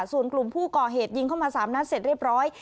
ส่วนกลุ่มผู้ก่อเหตุยิงเข้ามา๓นัดเสร็จเรียบร้อย